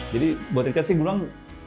jadi buat richard sih gue bilang